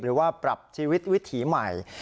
หรือว่าปรับชีวิตวิถีใหม่